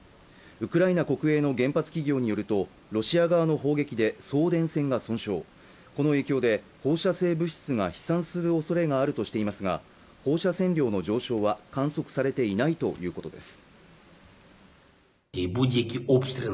ウクライナ国営の原発企業によるとロシア側の砲撃で送電線が損傷この影響で放射性物質が飛散するおそれがあるとしていますが放射線量の上昇は観測されていないということです